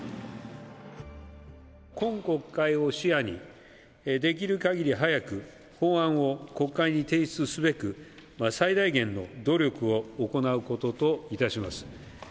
今国会を視野にできるかぎり早く、法案を国会に提出すべく、最大限の努力を行うことといたします。